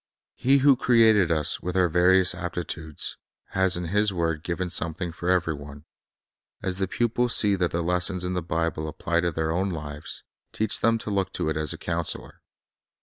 He who created us, with our various aptitudes, has in His word given something for every one. As the pupils see that the lessons of the Bible apply to their own lives, teach them to look to it as a counselor.